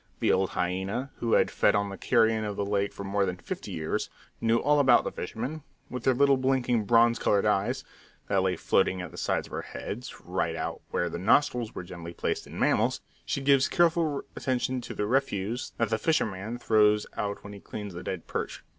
The old hyena, who had fed on the carrion of the lake for more than fifty years, knew all about the fishermen. With her little blinking, bronze coloured eyes, that lay floating at the sides of her head, right out where the nostrils are generally placed in mammals, she gives careful attention to the refuse that the fisherman throws out when he cleans the dead perch.